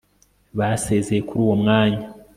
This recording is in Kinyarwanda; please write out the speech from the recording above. basezeye kuri uwo mwanya